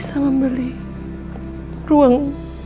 bisa membeli ruang